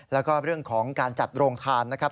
แล้วก็เรื่องของการจัดโรงทานนะครับ